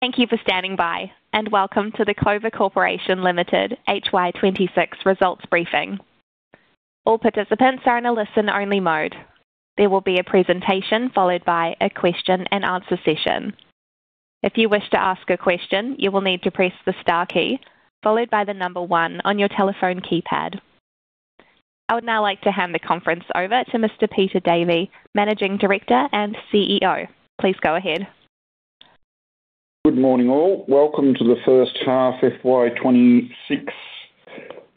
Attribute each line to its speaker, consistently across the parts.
Speaker 1: Thank you for standing by and welcome to the Clover Corporation Limited Half Year 2026 Results Briefing. All participants are in a listen-only mode. There will be a presentation followed by a question-and-answer session. If you wish to ask a question, you will need to press the star key followed by the number one on your telephone keypad. I would now like to hand the conference over to Mr. Peter Davey, Managing Director and CEO. Please go ahead.
Speaker 2: Good morning, all. Welcome to the First Half Fiscal Year 2026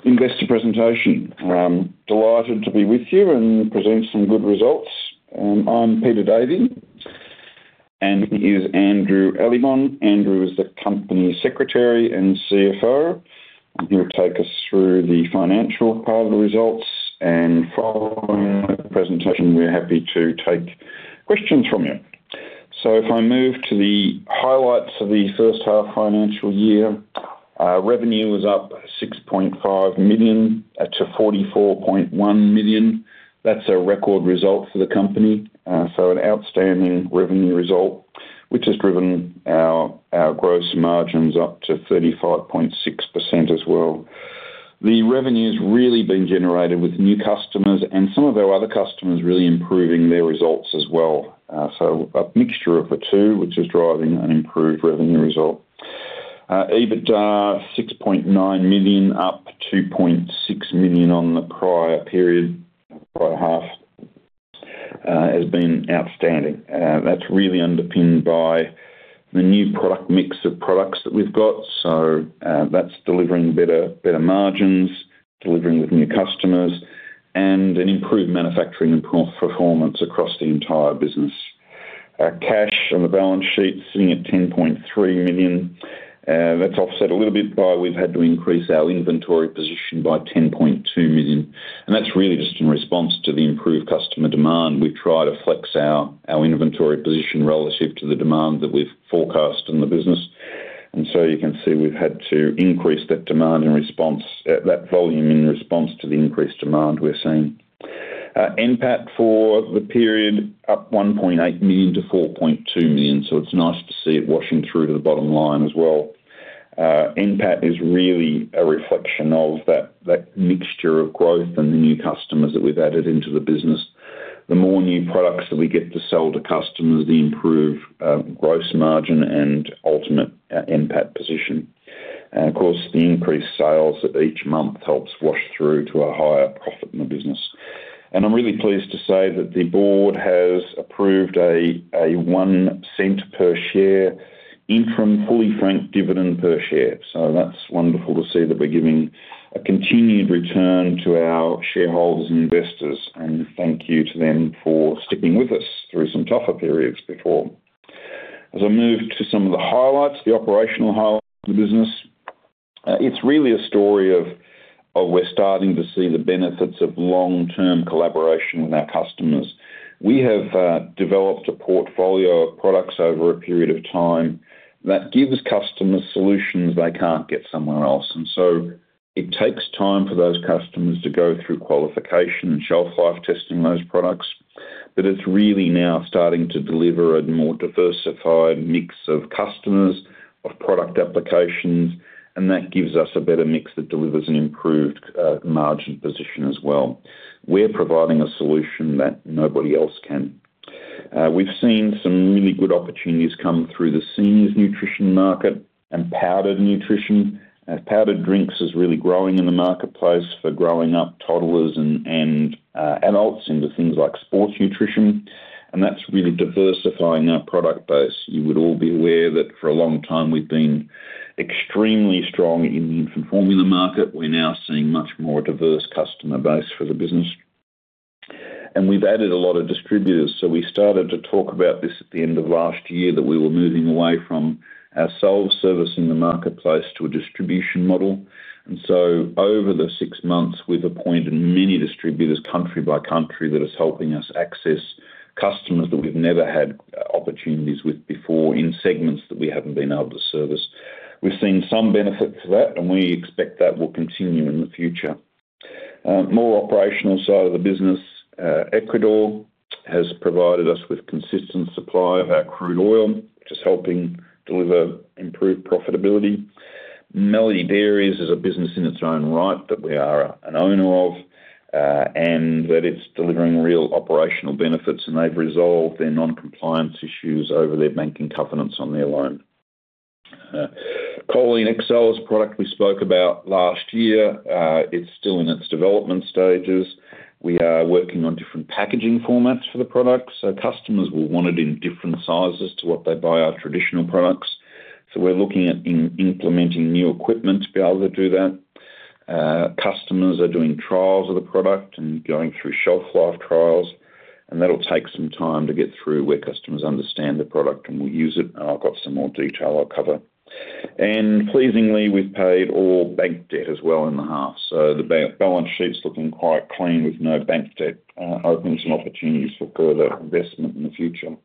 Speaker 2: Investor Presentation. Delighted to be with you and present some good results. I'm Peter Davey, and here's Andrew Allibon. Andrew is the Company Secretary and CFO. He'll take us through the financial part of the results, and following the presentation, we're happy to take questions from you. If I move to the highlights of the first half financial year, revenue was up 6.5 million to 44.1 million. That's a record result for the company. An outstanding revenue result, which has driven our gross margins up to 35.6% as well. The revenue's really been generated with new customers and some of our other customers really improving their results as well. A mixture of the two, which is driving an improved revenue result. EBITDA, 6.9 million, up 2.6 million on the prior period, prior half, has been outstanding. That's really underpinned by the new product mix of products that we've got. That's delivering better margins, delivering with new customers and an improved manufacturing and process performance across the entire business. Our cash on the balance sheet sitting at 10.3 million. That's offset a little bit by we've had to increase our inventory position by 10.2 million, and that's really just in response to the improved customer demand. We try to flex our inventory position relative to the demand that we've forecast in the business, and you can see we've had to increase that volume in response to the increased demand we're seeing. NPAT for the period, up 1.8 million to 4.2 million. It's nice to see it washing through to the bottom line as well. NPAT is really a reflection of that mixture of growth and the new customers that we've added into the business. The more new products that we get to sell to customers, the improved gross margin and ultimate NPAT position. Of course, the increased sales each month helps wash through to a higher profit in the business. I'm really pleased to say that the board has approved a 0.01 per share interim fully franked dividend per share. That's wonderful to see that we're giving a continued return to our shareholders and investors and thank you to them for sticking with us through some tougher periods before. As I move to some of the highlights, the operational highlights of the business, it's really a story of our starting to see the benefits of long-term collaboration with our customers. We have developed a portfolio of products over a period of time that gives customers solutions they can't get somewhere else. It takes time for those customers to go through qualification and shelf-life testing those products. It's really now starting to deliver a more diversified mix of customers, of product applications, and that gives us a better mix that delivers an improved margin position as well. We're providing a solution that nobody else can. We've seen some really good opportunities come through the seniors nutrition market and powdered nutrition. Powdered drinks is really growing in the marketplace for growing up toddlers and adults into things like sports nutrition, and that's really diversifying our product base. You would all be aware that for a long time we've been extremely strong in the infant formula market. We're now seeing much more diverse customer base for the business. We've added a lot of distributors. We started to talk about this at the end of last year, that we were moving away from our sole service in the marketplace to a distribution model. Over the six months, we've appointed many distributors country by country that is helping us access customers that we've never had opportunities with before in segments that we haven't been able to service. We've seen some benefit to that, and we expect that will continue in the future. More operational side of the business, Ecuador has provided us with consistent supply of our crude oil, which is helping deliver improved profitability. Melody Dairies is a business in its own right that we are an owner of, and that it's delivering real operational benefits, and they've resolved their non-compliance issues over their banking covenants on their loan. CholineXcel is a product we spoke about last year. It's still in its development stages. We are working on different packaging formats for the product, so customers will want it in different sizes to what they buy our traditional products. We're looking at implementing new equipment to be able to do that. Customers are doing trials of the product and going through shelf-life trials, and that'll take some time to get through where customers understand the product and will use it. I've got some more detail I'll cover. Pleasingly, we've paid all bank debt as well in the half. The balance sheet's looking quite clean with no bank debt, opens opportunities for further investment in the future.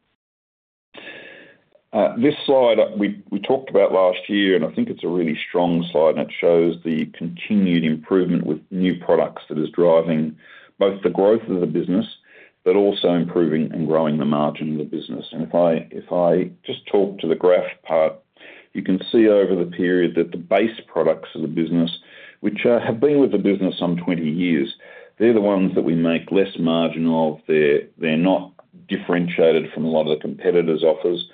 Speaker 2: This slide, we talked about last year, and I think it's a really strong slide and it shows the continued improvement with new products that is driving both the growth of the business. But also improving and growing the margin of the business. If I just talk to the graph part, you can see over the period that the base products of the business, which have been with the business some 20 years, they're the ones that we make less margin of. They're not differentiated from a lot of the competitors' offers,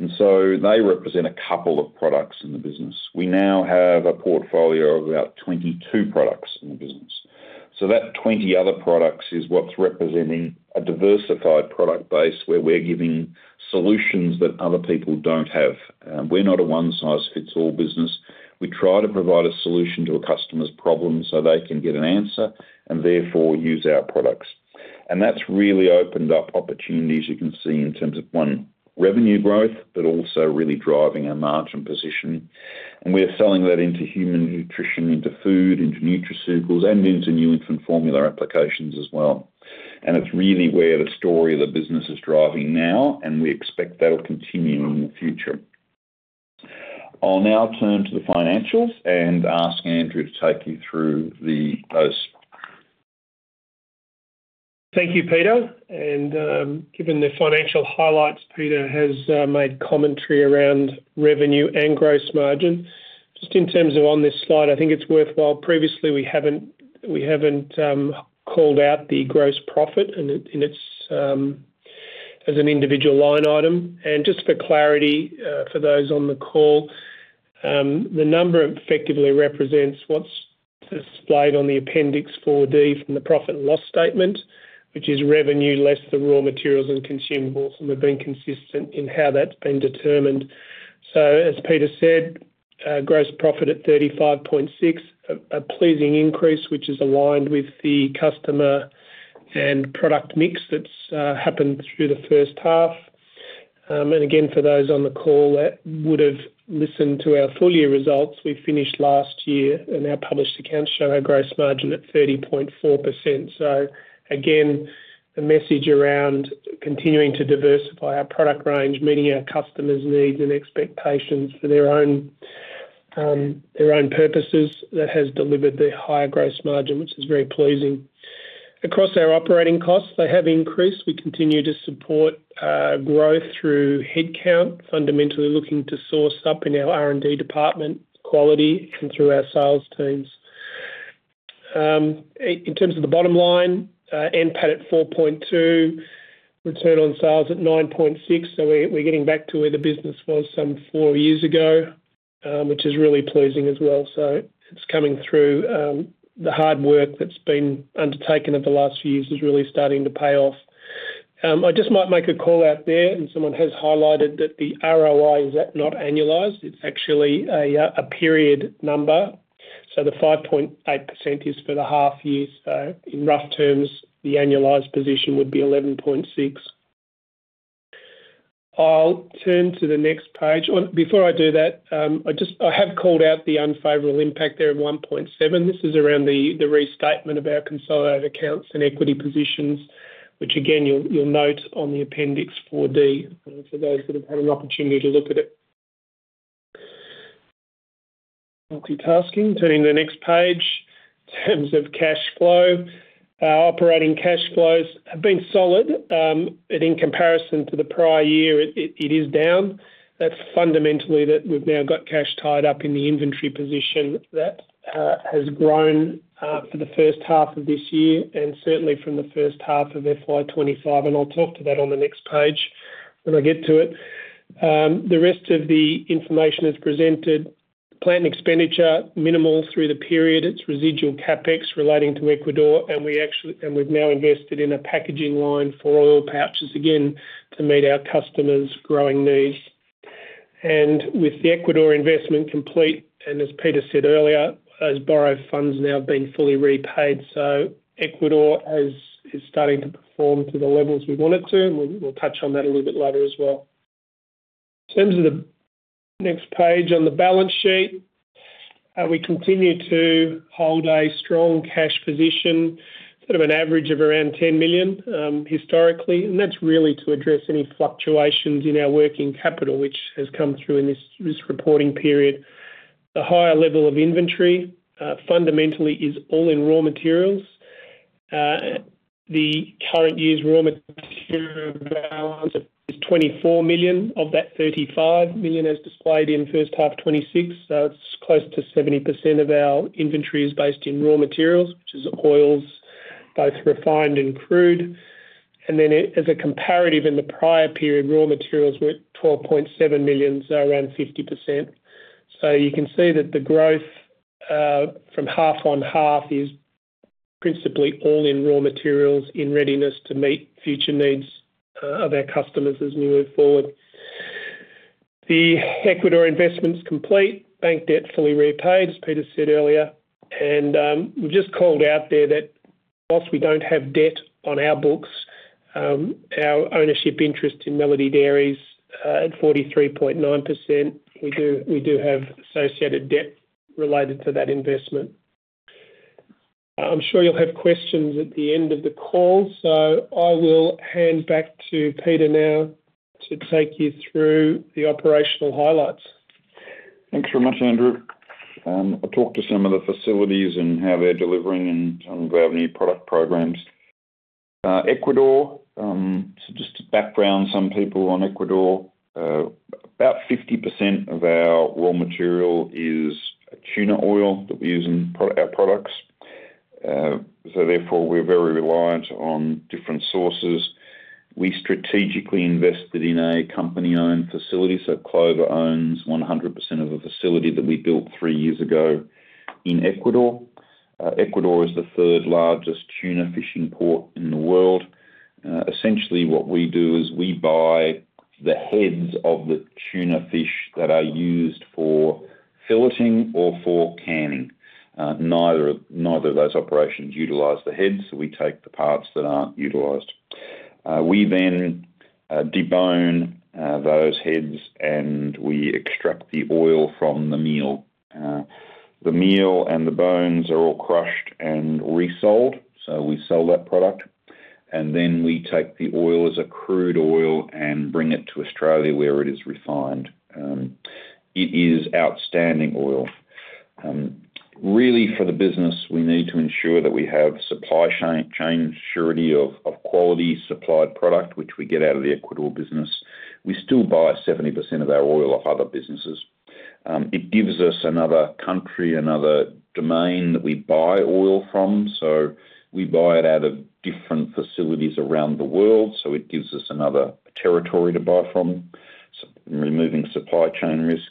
Speaker 2: and so they represent a couple of products in the business. We now have a portfolio of about 22 products in the business. That 20 other products is what's representing a diversified product base where we're giving solutions that other people don't have. We're not a one-size-fits-all business. We try to provide a solution to a customer's problem so they can get an answer and therefore use our products. That's really opened up opportunities you can see in terms of, one, revenue growth, but also really driving our margin position. We're selling that into human nutrition, into food, into nutraceuticals, and into new infant formula applications as well. It's really where the story of the business is driving now, and we expect that'll continue in the future. I'll now turn to the financials and ask Andrew to take you through the. [inaudible]
Speaker 3: Thank you, Peter. Given the financial highlights, Peter has made commentary around revenue and gross margin. Just in terms of on this slide, I think it's worthwhile. Previously, we haven't called out the gross profit in it in its as an individual line item. Just for clarity, for those on the call, the number effectively represents what's displayed on the Appendix 4D from the profit and loss statement, which is revenue less the raw materials and consumables, and we've been consistent in how that's been determined. As Peter said, gross profit at 35.6%, a pleasing increase which is aligned with the customer and product mix that's happened through the first half. Again, for those on the call that would have listened to our full year results, we finished last year, and our published accounts show our gross margin at 30.4%. Again, the message around continuing to diversify our product range, meeting our customers' needs and expectations for their own purposes that has delivered the higher gross margin, which is very pleasing. Across our operating costs, they have increased. We continue to support growth through headcount, fundamentally looking to scale up in our R&D department, quality, and through our sales teams. In terms of the bottom line, NPAT at 4.2 million, return on sales at 9.6%. We're getting back to where the business was some four years ago, which is really pleasing as well. It's coming through, the hard work that's been undertaken over the last few years is really starting to pay off. I just might make a call out there, and someone has highlighted that the ROI is not annualized. It's actually a period number. The 5.8% is for the half year. In rough terms, the annualized position would be 11.6%. I'll turn to the next page. Oh, before I do that, I have called out the unfavorable impact there of 1.7 billion. This is around the restatement of our consolidated accounts and equity positions, which again you'll note on the Appendix 4D for those that have had an opportunity to look at it. Multitasking, turning to the next page. In terms of cash flow, our operating cash flows have been solid. In comparison to the prior year, it is down. That's fundamentally that we've now got cash tied up in the inventory position that has grown for the first half of this year and certainly from the first half of fiscal year 2025, and I'll talk to that on the next page when I get to it. The rest of the information is presented. Plant expenditure, minimal through the period. It's residual CapEx relating to Ecuador, and we've now invested in a packaging line for oil pouches again to meet our customers' growing needs. With the Ecuador investment complete, and as Peter said earlier, those borrowed funds now have been fully repaid. Ecuador is starting to perform to the levels we want it to, and we'll touch on that a little bit later as well. In terms of the next page on the balance sheet, we continue to hold a strong cash position, sort of an average of around 10 million, historically. That's really to address any fluctuations in our working capital, which has come through in this reporting period. The higher level of inventory, fundamentally is all in raw materials. The current year's raw material balance is 24 million. Of that, 35 million is displayed in first half 2026. It's close to 70% of our inventory is based in raw materials, which is oils, both refined and crude. As a comparative, in the prior period, raw materials were 12.7 million, so around 50%. You can see that the growth from half on half is principally all in raw materials in readiness to meet future needs of our customers as we move forward. The Ecuador investment's complete. Bank debt fully repaid, as Peter said earlier. We've just called out there that while we don't have debt on our books, our ownership interest in Melody Dairies at 43.9%, we do have associated debt related to that investment. I'm sure you'll have questions at the end of the call, so I will hand back to Peter now to take you through the operational highlights.
Speaker 2: Thanks very much, Andrew. I'll talk about some of the facilities and how they're delivering and we have new product programs. Ecuador, just to background some people on Ecuador. About 50% of our raw material is tuna oil that we use in our products. Therefore, we're very reliant on different sources. We strategically invested in a company-owned facility, so Clover owns 100% of the facility that we built three years ago in Ecuador. Ecuador is the third largest tuna fishing port in the world. Essentially what we do is we buy the heads of the tuna fish that are used for filleting or for canning. Neither of those operations utilize the heads, so we take the parts that aren't utilized. We debone those heads, and we extract the oil from the meal. The meal and the bones are all crushed and resold, so we sell that product, and we take the oil as a crude oil and bring it to Australia where it is refined. It is outstanding oil. Really for the business, we need to ensure that we have supply chain surety of quality supplied product which we get out of the Ecuador business. We still buy 70% of our oil off other businesses. It gives us another country, another domain that we buy oil from, so we buy it out of different facilities around the world, so it gives us another territory to buy from, removing supply chain risk.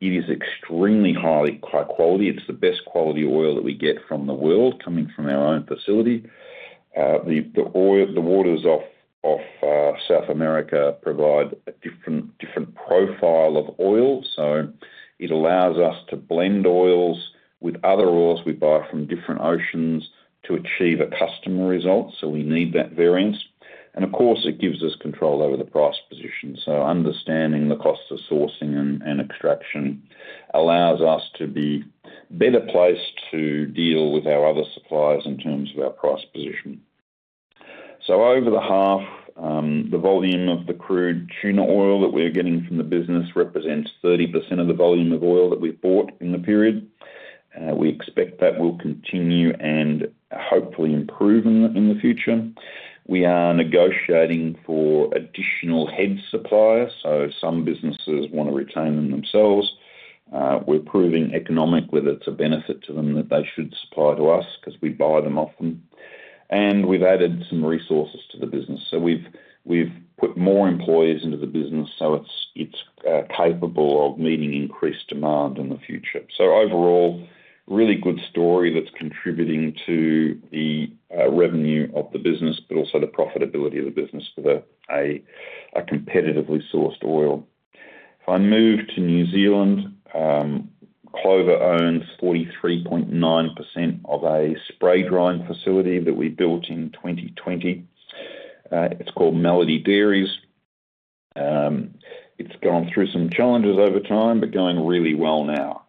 Speaker 2: It is extremely high quality. It's the best quality oil that we get from the world coming from our own facility. The oil, the waters off South America provide a different profile of oil, so it allows us to blend oils with other oils we buy from different oceans to achieve a customer result, so we need that variance. Of course it gives us control over the price position. Understanding the cost of sourcing and extraction allows us to be better placed to deal with our other suppliers in terms of our price position. Over the half, the volume of the crude tuna oil that we're getting from the business represents 30% of the volume of oil that we bought in the period. We expect that will continue and hopefully improve in the future. We are negotiating for additional head suppliers, so some businesses wanna retain them themselves. We're proving economic, whether it's a benefit to them that they should supply to us 'cause we buy them often. We've added some resources to the business. We've put more employees into the business, so it's capable of meeting increased demand in the future. Overall, really good story that's contributing to the revenue of the business but also the profitability of the business with a competitively sourced oil. If I move to New Zealand, Clover owns 43.9% of a spray drying facility that we built in 2020. It's called Melody Dairies. It's gone through some challenges over time but going really well now.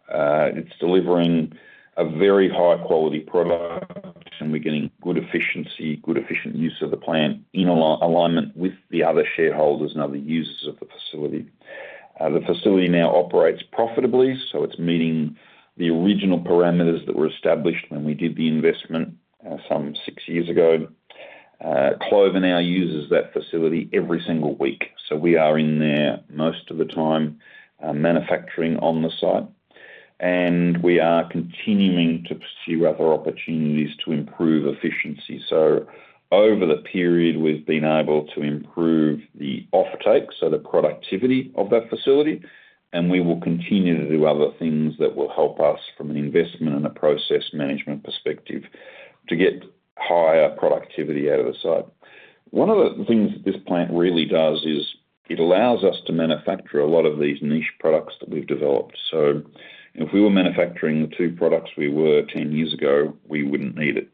Speaker 2: It's delivering a very high quality product, and we're getting good efficiency, good efficient use of the plant in alignment with the other shareholders and other users of the facility. The facility now operates profitably, so it's meeting the original parameters that were established when we did the investment, some six years ago. Clover now uses that facility every single week, so we are in there most of the time, manufacturing on the site. We are continuing to pursue other opportunities to improve efficiency. Over the period, we've been able to improve the offtake, so the productivity of that facility, and we will continue to do other things that will help us from an investment and a process management perspective to get higher productivity out of the site. One of the things that this plant really does is it allows us to manufacture a lot of these niche products that we've developed. If we were manufacturing the two products we were ten years ago, we wouldn't need it.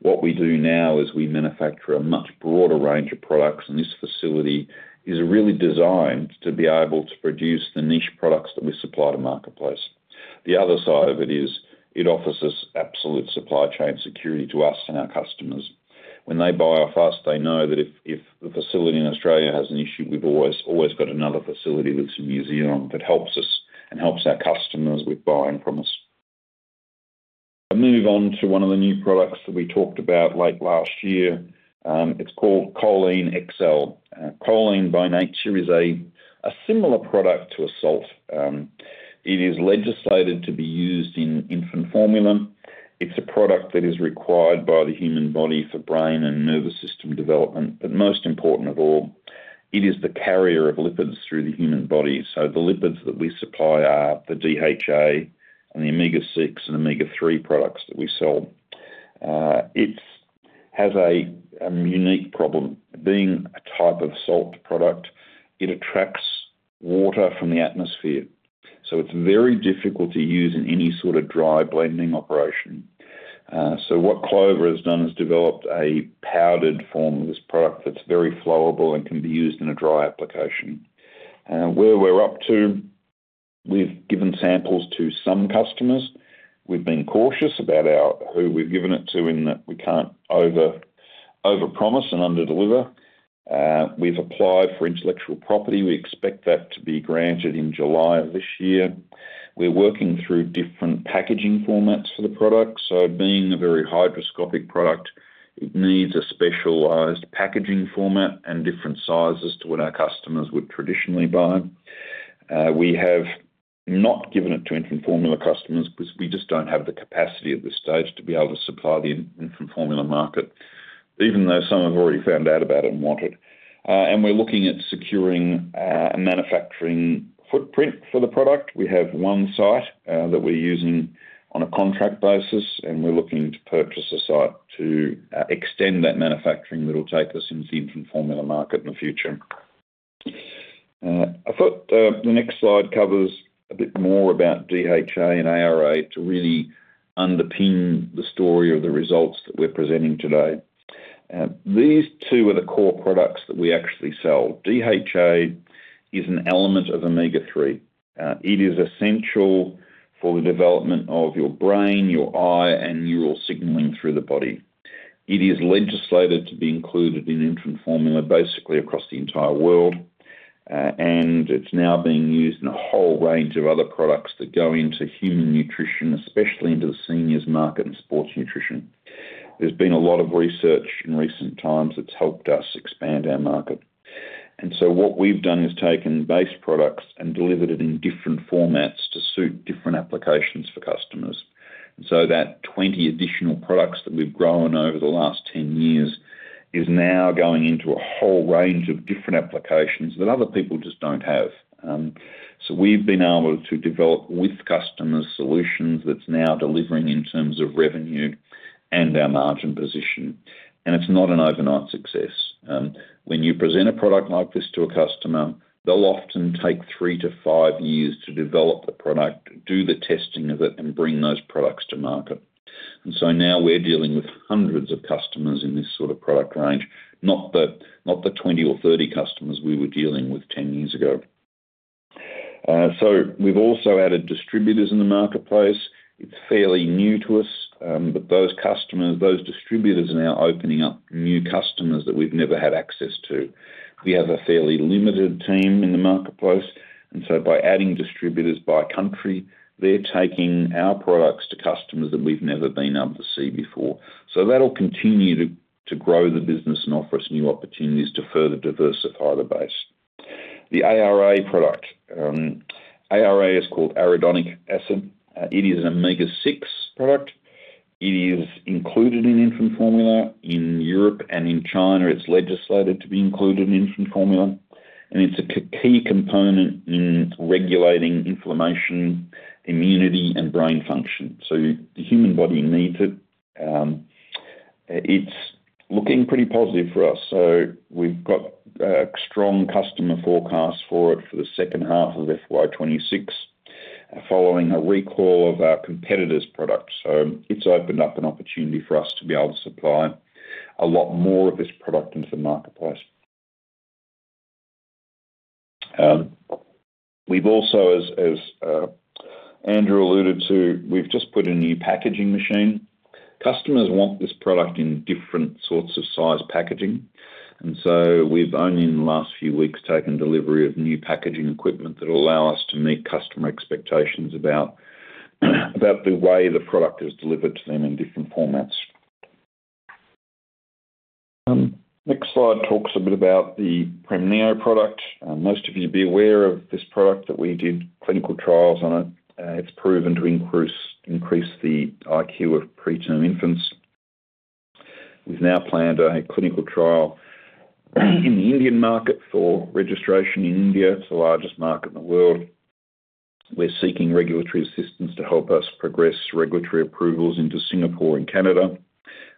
Speaker 2: What we do now is we manufacture a much broader range of products, and this facility is really designed to be able to produce the niche products that we supply to marketplace. The other side of it is it offers us absolute supply chain security to us and our customers. When they buy off us, they know that if the facility in Australia has an issue, we've always got another facility that's in New Zealand that helps us and helps our customers with buying from us. I move on to one of the new products that we talked about late last year. It's called CholineXcel. Choline by nature is a similar product to a salt. It is legislated to be used in infant formula. It's a product that is required by the human body for brain and nervous system development. Most important of all, it is the carrier of lipids through the human body. The lipids that we supply are the DHA and the Omega-6 and Omega-3 products that we sell. It has a unique problem. Being a type of salt product, it attracts water from the atmosphere, so it's very difficult to use in any sort of dry blending operation. What Clover has done is developed a powdered form of this product that's very flowable and can be used in a dry application. Where we're up to, we've given samples to some customers. We've been cautious about who we've given it to in that we can't overpromise and underdeliver. We've applied for intellectual property. We expect that to be granted in July of this year. We're working through different packaging formats for the product. Being a very hygroscopic product, it needs a specialized packaging format and different sizes to what our customers would traditionally buy. We have not given it to infant formula customers because we just don't have the capacity at this stage to be able to supply the infant formula market, even though some have already found out about it and want it. We're looking at securing a manufacturing footprint for the product. We have one site that we're using on a contract basis, and we're looking to purchase a site to extend that manufacturing that'll take us into the infant formula market in the future. I thought the next slide covers a bit more about DHA and ARA to really underpin the story of the results that we're presenting today. These two are the core products that we actually sell. DHA is an element of Omega-3. It is essential for the development of your brain, your eye, and neural signaling through the body. It is legislated to be included in infant formula, basically across the entire world, and it's now being used in a whole range of other products that go into human nutrition, especially into the seniors market and sports nutrition. There's been a lot of research in recent times that's helped us expand our market. What we've done is taken base products and delivered it in different formats to suit different applications for customers. That 20 additional products that we've grown over the last 10 years is now going into a whole range of different applications that other people just don't have. We've been able to develop with customers solutions that's now delivering in terms of revenue and our margin position. It's not an overnight success. When you present a product like this to a customer, they'll often take three to five years to develop the product, do the testing of it, and bring those products to market. Now we're dealing with hundreds of customers in this sort of product range, not the 20 or 30 customers we were dealing with 10 years ago. We've also added distributors in the marketplace. It's fairly new to us, but those customers, those distributors are now opening up new customers that we've never had access to. We have a fairly limited team in the marketplace, and by adding distributors by country, they're taking our products to customers that we've never been able to see before. That'll continue to grow the business and offer us new opportunities to further diversify the base. The ARA product. ARA is called arachidonic acid. It is an Omega-6 product. It is included in infant formula. In Europe and in China, it's legislated to be included in infant formula, and it's a key component in regulating inflammation, immunity, and brain function. The human body needs it. It's looking pretty positive for us, so we've got a strong customer forecast for it for the second half of fiscal year 2026, following a recall of our competitor's product. It's opened up an opportunity for us to be able to supply a lot more of this product into the marketplace. We've also, as Andrew alluded to, we've just put a new packaging machine. Customers want this product in different sorts of size packaging, and so we've only in the last few weeks, taken delivery of new packaging equipment that will allow us to meet customer expectations about the way the product is delivered to them in different formats. Next slide talks a bit about the Premneo product. Most of you'd be aware of this product, that we did clinical trials on it. It's proven to increase the IQ of preterm infants. We've now planned a clinical trial in the Indian market for registration in India. It's the largest market in the world. We're seeking regulatory assistance to help us progress regulatory approvals into Singapore and Canada.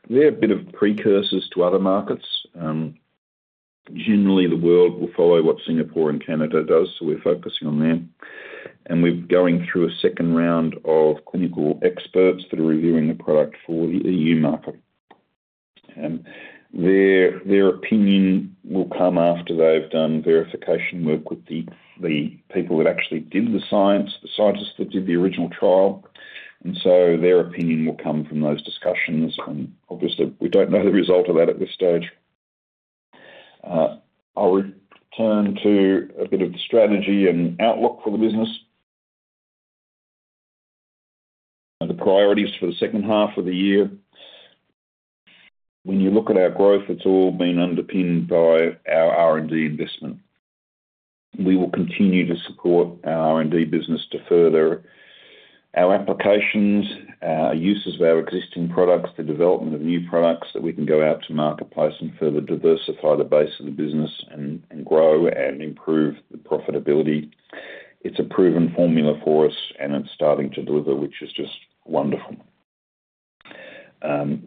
Speaker 2: They're a bit of precursors to other markets. Generally the world will follow what Singapore and Canada does, so we're focusing on them. We're going through a second round of clinical experts that are reviewing the product for the EU market. Their opinion will come after they've done verification work with the people that actually did the science, the scientists that did the original trial. Their opinion will come from those discussions and obviously, we don't know the result of that at this stage. I'll return to a bit of the strategy and outlook for the business. The priorities for the second half of the year. When you look at our growth, it's all been underpinned by our R&D investment. We will continue to support our R&D business to further our applications, uses of our existing products, the development of new products that we can go out to marketplace and further diversify the base of the business and grow and improve the profitability. It's a proven formula for us and it's starting to deliver, which is just wonderful.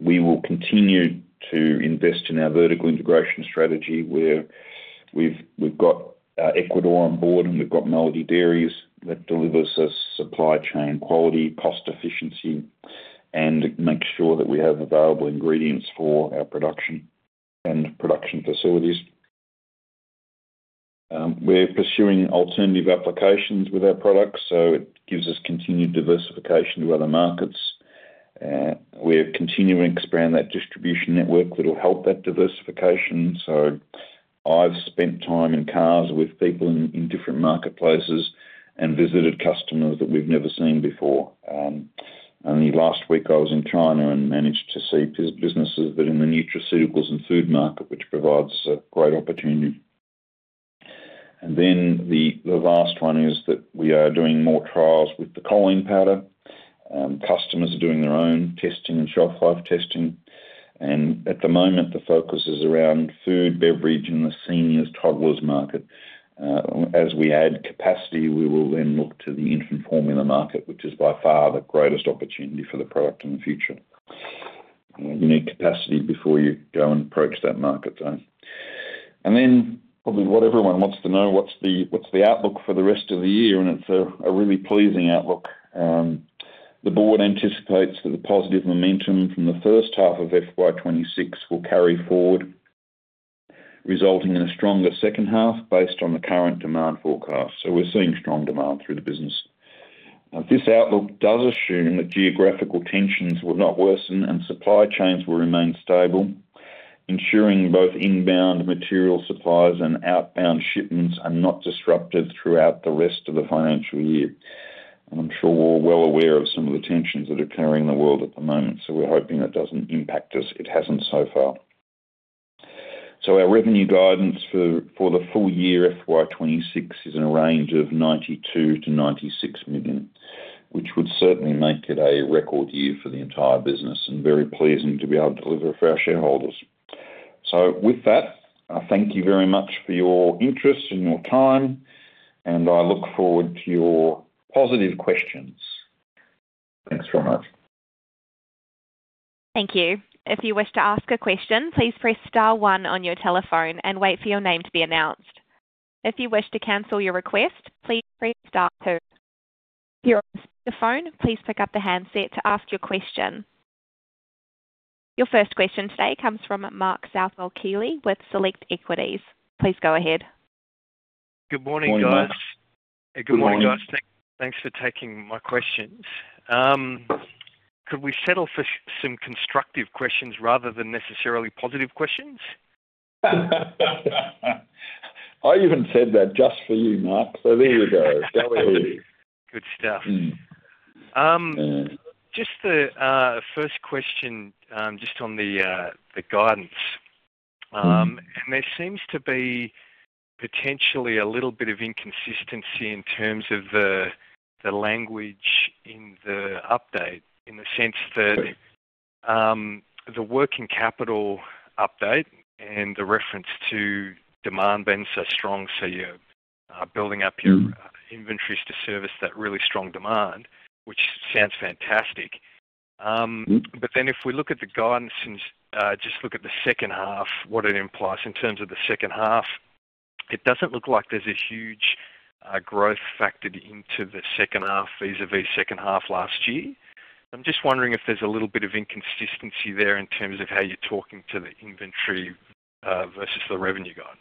Speaker 2: We will continue to invest in our vertical integration strategy where we've got Ecuador on board and we've got Melody Dairies that delivers us supply chain quality, cost efficiency, and makes sure that we have available ingredients for our production and production facilities. We're pursuing alternative applications with our products, so it gives us continued diversification to other markets. We're continuing to expand that distribution network that'll help that diversification. I've spent time in cars with people in different marketplaces and visited customers that we've never seen before. Only last week I was in China and managed to see businesses in the nutraceuticals and food market, which provides a great opportunity. The last one is that we are doing more trials with the Choline powder. Customers are doing their own testing and shelf-life testing. At the moment, the focus is around food, beverage, and the seniors, toddlers market. As we add capacity, we will then look to the infant formula market, which is by far the greatest opportunity for the product in the future. You need capacity before you go and approach that market zone. Probably what everyone wants to know, what's the outlook for the rest of the year? It's a really pleasing outlook. The board anticipates that the positive momentum from the first half of fiscal year 2026 will carry forward, resulting in a stronger second half based on the current demand forecast. We're seeing strong demand through the business. This outlook does assume that geographical tensions will not worsen and supply chains will remain stable, ensuring both inbound material suppliers and outbound shipments are not disrupted throughout the rest of the financial year. I'm sure we're all well aware of some of the tensions that are occurring in the world at the moment, so we're hoping that doesn't impact us. It hasn't so far. Our revenue guidance for the full year fiscal year 2026 is in a range of 92 million-96 million, which would certainly make it a record year for the entire business, and very pleasing to be able to deliver for our shareholders. With that, I thank you very much for your interest and your time, and I look forward to your positive questions. Thanks very much.
Speaker 1: Thank you. If you wish to ask a question, please press star one on your telephone and wait for your name to be announced. If you wish to cancel your request, please press star two. If you're on the phone, please pick up the handset to ask your question. Your first question today comes from Mark Southwell-Keely with Select Equities. Please go ahead.
Speaker 2: Good morning, Mark.
Speaker 4: Good morning, guys... Thanks for taking my questions. Could we settle for some constructive questions rather than necessarily positive questions?
Speaker 2: I even said that just for you, Mark. There you go. Go ahead.
Speaker 4: Good stuff.
Speaker 2: Mm.
Speaker 4: Um.
Speaker 2: Yeah.
Speaker 4: Just the first question, just on the guidance.
Speaker 2: Mm-hmm.
Speaker 4: There seems to be potentially a little bit of inconsistency in terms of the language in the update, in the sense that, the working capital update and the reference to demand being so strong. You're building up your inventories to service that really strong demand, which sounds fantastic. If we look at the guidance and, just look at the second half, what it implies in terms of the second half, it doesn't look like there's a huge growth factored into the second half, vis-à-vis second half last year. I'm just wondering if there's a little bit of inconsistency there in terms of how you're talking to the inventory, versus the revenue guidance.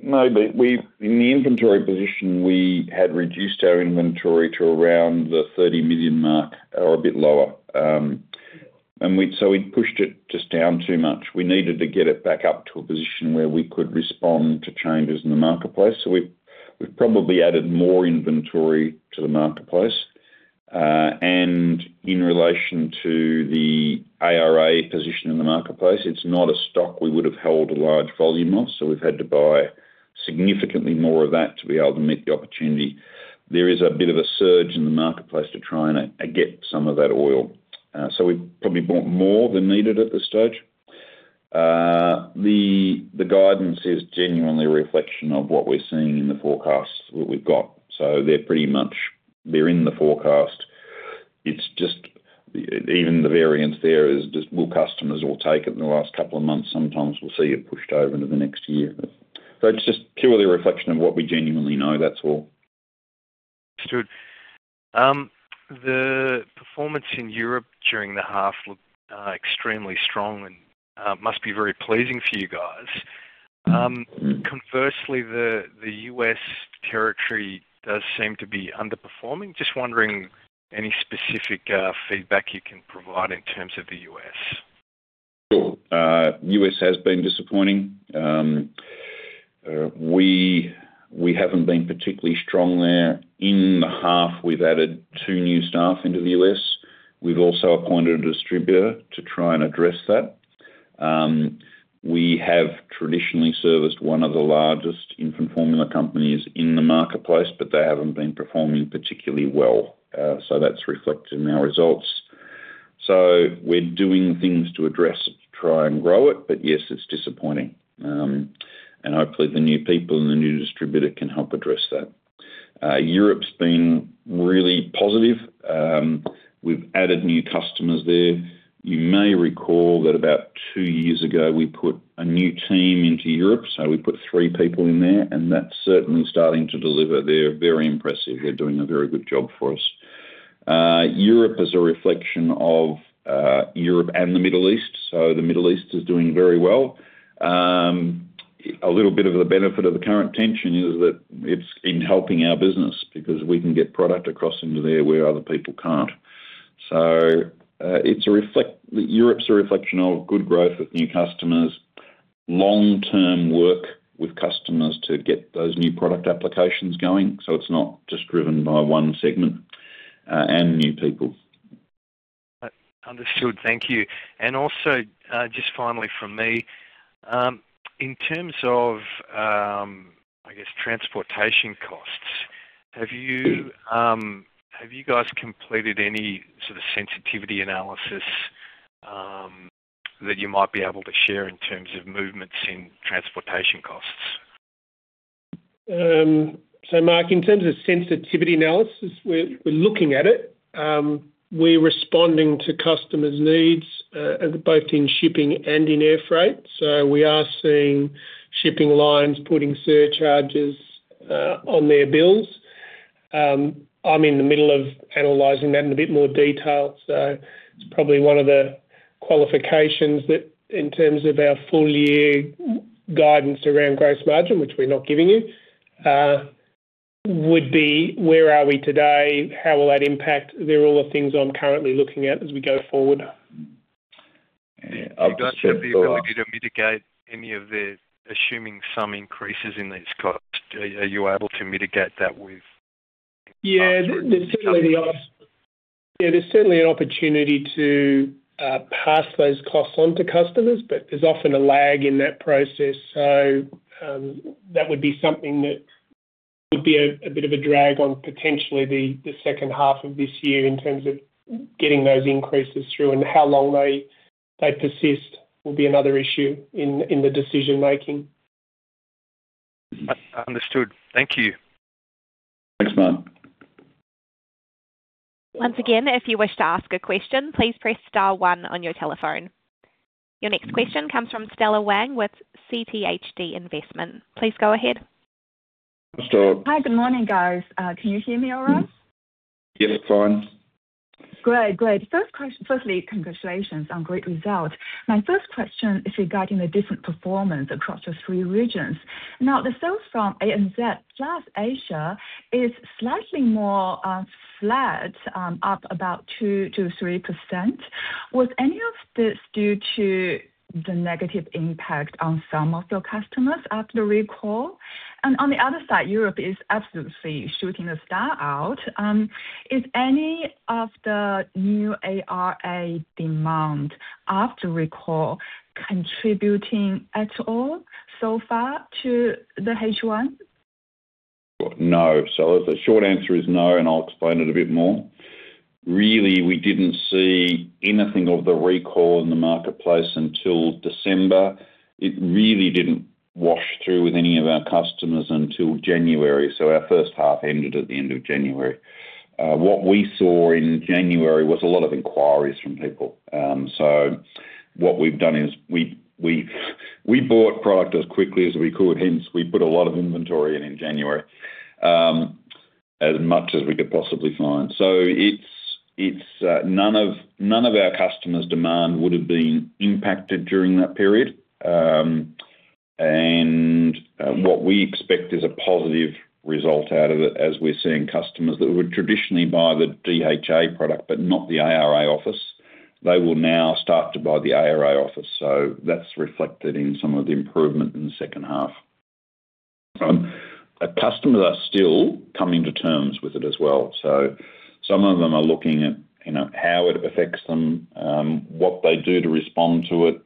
Speaker 2: No, but in the inventory position, we had reduced our inventory to around the 30 million mark or a bit lower. So, we'd pushed it just down too much. We needed to get it back up to a position where we could respond to changes in the marketplace. So, we've probably added more inventory to the marketplace. In relation to the ARA position in the marketplace, it's not a stock we would have held a large volume of. So, we've had to buy significantly more of that to be able to meet the opportunity. There is a bit of a surge in the marketplace to try and get some of that oil. So, we've probably bought more than needed at this stage. The guidance is genuinely a reflection of what we're seeing in the forecasts that we've got. They're pretty much in the forecast. It's just even the variance there is just whether customers all take it in the last couple of months. Sometimes we'll see it pushed over into the next year. It's just purely a reflection of what we genuinely know, that's all.
Speaker 4: Understood. The performance in Europe during the half looked extremely strong and must be very pleasing for you guys. Conversely, the U.S. territory does seem to be underperforming. Just wondering any specific feedback, you can provide in terms of the US.
Speaker 2: Sure. U.S. has been disappointing. We haven't been particularly strong there. In the half, we've added two new staff into the US. We've also appointed a distributor to try and address that. We have traditionally serviced one of the largest infant formula companies in the marketplace, but they haven't been performing particularly well. That's reflected in our results. We're doing things to address it, to try and grow it. Yes, it's disappointing. Hopefully, the new people and the new distributor can help address that. Europe's been really positive. We've added new customers there. You may recall that about two years ago, we put a new team into Europe. We put three people in there, and that's certainly starting to deliver. They're very impressive. They're doing a very good job for us. Europe is a reflection of Europe and the Middle East, so the Middle East is doing very well. A little bit of the benefit of the current tension is that it's been helping our business because we can get product across into there, where other people can't. So, Europe's a reflection of good growth with new customers, long-term work with customers to get those new product applications going, so it's not just driven by one segment, and new people.
Speaker 4: Understood. Thank you. Also, just finally from me. In terms of, I guess, transportation costs, have you guys completed any sort of sensitivity analysis that you might be able to share in terms of movements in transportation costs?
Speaker 3: Mark, in terms of sensitivity analysis, we're looking at it. We're responding to customers' needs both in shipping and in air freight. We are seeing shipping lines putting surcharges on their bills. I'm in the middle of analyzing that in a bit more detail. It's probably one of the qualifications that in terms of our full year guidance around gross margin, which we're not giving you, would be where are we today? How will that impact? They're all the things I'm currently looking at as we go forward.
Speaker 4: Assuming some increases in these costs, are you able to mitigate that with?
Speaker 3: Yeah, there's certainly an opportunity to pass those costs on to customers, but there's often a lag in that process. That would be something that would be a bit of a drag on potentially the second half of this year in terms of getting those increases through and how long they persist will be another issue in the decision making.
Speaker 4: Understood. Thank you.
Speaker 2: Thanks, Mark.
Speaker 1: Once again, if you wish to ask a question, please press star one on your telephone. Your next question comes from Stella Wang with CTHD Investments. Please go ahead.
Speaker 2: Stella.
Speaker 5: Hi, good morning, guys. Can you hear me all right?
Speaker 2: Yes, fine.
Speaker 5: Great. Firstly, congratulations on great results. My first question is regarding the different performance across the three regions. Now, the sales from ANZ plus Asia is slightly more flat, up about 2% to 3%. Was any of this due to the negative impact on some of your customers after the recall? On the other side, Europe is absolutely shooting the lights out. Is any of the new ARA demand after recall contributing at all so far to the first half?
Speaker 2: No. The short answer is no, and I'll explain it a bit more. Really, we didn't see anything of the recall in the marketplace until December. It really didn't wash through with any of our customers until January. Our first half ended at the end of January. What we saw in January was a lot of inquiries from people. What we've done is we bought product as quickly as we could, hence, we put a lot of inventory in January, as much as we could possibly find. It's none of our customers' demand would have been impacted during that period. What we expect is a positive result out of it as we're seeing customers that would traditionally buy the DHA product but not the ARA product. They will now start to buy the ARA oil. That's reflected in some of the improvement in the second half. Our customers are still coming to terms with it as well. Some of them are looking at, you know, how it affects them, what they do to respond to it.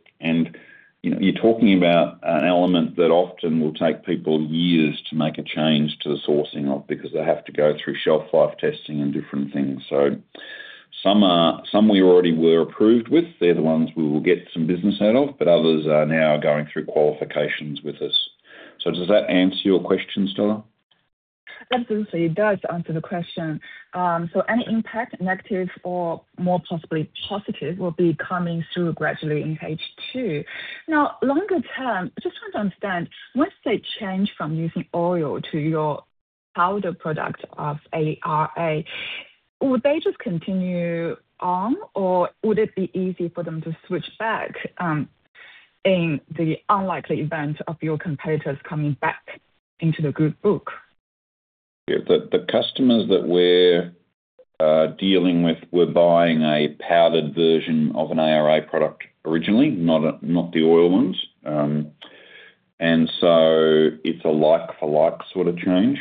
Speaker 2: You're talking about an element that often will take people years to make a change to the sourcing of because they have to go through shelf-life testing and different things. Some we already were approved with. They're the ones we will get some business out of, but others are now going through qualifications with us. Does that answer your question, Stella?
Speaker 5: Absolutely, it does answer the question. Any impact, negative or more possibly positive, will be coming through gradually in second half. Now, longer term, just want to understand, once they change from using oil to your powder product of ARA, would they just continue on, or would it be easy for them to switch back, in the unlikely event of your competitors coming back into the good book?
Speaker 2: The customers that we're dealing with were buying a powdered version of an ARA product originally, not the oil ones. It's a like for like sort of change.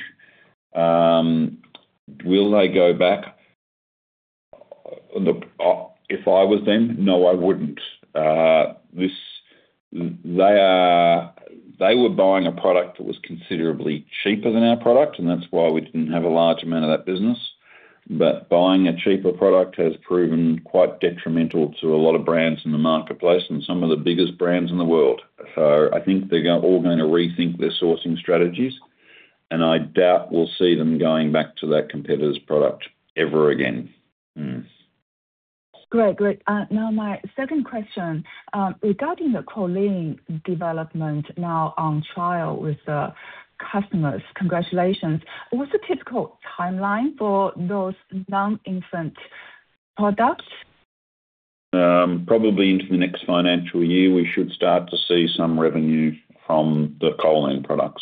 Speaker 2: Will they go back? Look, if I was them, no, I wouldn't. They were buying a product that was considerably cheaper than our product, and that's why we didn't have a large amount of that business. Buying a cheaper product has proven quite detrimental to a lot of brands in the marketplace and some of the biggest brands in the world. I think they're all going to rethink their sourcing strategies, and I doubt we'll see them going back to that competitor's product ever again.
Speaker 5: Great. Now my second question. Regarding the Choline development now on trial with the customers, congratulations. What's the typical timeline for those non-infant products?
Speaker 2: Probably into the next financial year, we should start to see some revenue from the Choline product.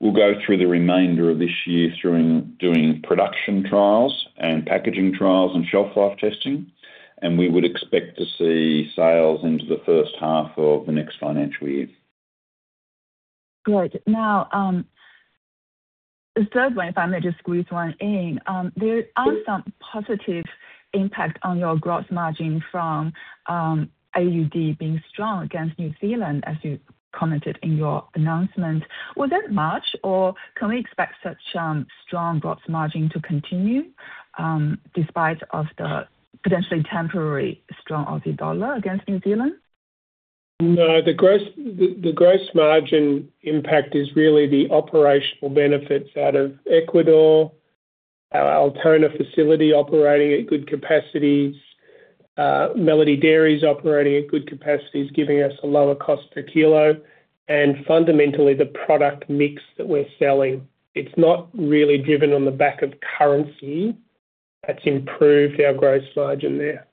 Speaker 2: We'll go through the remainder of this year through doing production trials and packaging trials and shelf-life testing, and we would expect to see sales into the first half of the next financial year.
Speaker 5: Great. Now, the third one, if I may just squeeze one in. There are some positive impact on your gross margin from, AUD being strong against New Zealand, as you commented in your announcement. Was it much, or can we expect such, strong gross margin to continue, despite of the potentially temporary strong Aussie dollar against New Zealand?
Speaker 3: No, the gross margin impact is really the operational benefits out of Ecuador. Our Altona facility operating at good capacities. Melody Dairies is operating at good capacities, giving us a lower cost per kilo. Fundamentally, the product mix that we're selling, it's not really driven on the back of currency that's improved our gross margin there.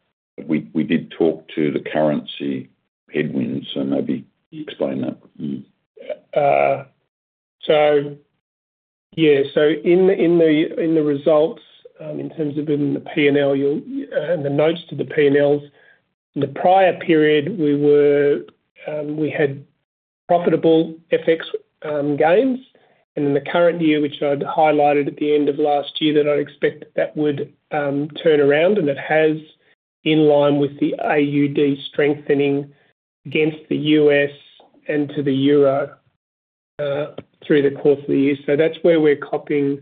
Speaker 2: We did talk to the currency headwinds, so maybe explain that.
Speaker 3: In the results, in terms of the P&L and the notes to the P&Ls. The prior period we had profitable FX gains. In the current year, which I'd highlighted at the end of last year, that I'd expect would turn around and it has, in line with the AUD strengthening against the U.S. and to the euro, through the course of the year. That's where we're copping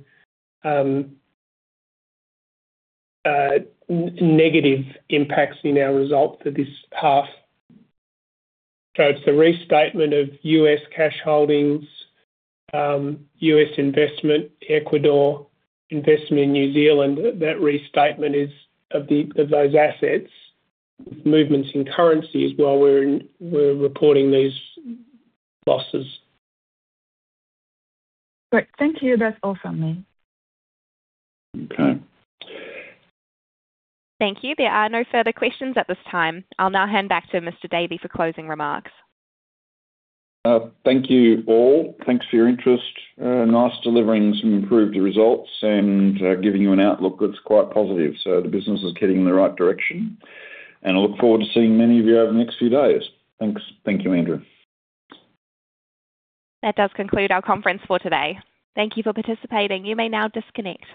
Speaker 3: negative impacts in our results for this half. It's the restatement of U.S. cash holdings, U.S. investment, Ecuador investment in New Zealand. That restatement is of those assets, movements and currencies while we're reporting these losses.
Speaker 5: Great. Thank you. That's all from me.
Speaker 2: Okay.
Speaker 1: Thank you. There are no further questions at this time. I'll now hand back to Mr. Davey for closing remarks.
Speaker 2: Thank you all. Thanks for your interest. Nice delivering some improved results and, giving you an outlook that's quite positive. The business is heading in the right direction, and I look forward to seeing many of you over the next few days. Thanks. Thank you, Andrew.
Speaker 1: That does conclude our conference for today. Thank you for participating. You may now disconnect.